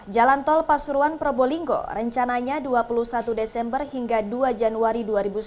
jalan tol pasuruan probolinggo rencananya dua puluh satu desember hingga dua januari dua ribu sembilan belas